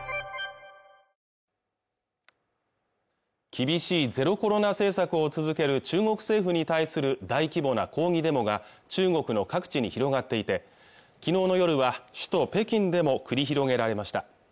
厳しいゼロコロナ政策を続ける中国政府に対する大規模な抗議デモが中国の各地に広がっていて昨日の夜は首都北京でも繰り広げられました